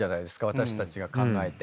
私たちが考えて。